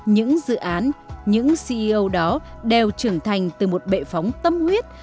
những dự án những ceo đó đều trưởng thành từ một bệ phóng tâm huyết